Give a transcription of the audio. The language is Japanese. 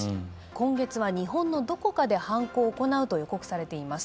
今月は日本のどこかで犯行を行うと予告されています